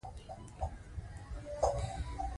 یرغلګر ځواکونه تل له ماتې سره مخ کېږي.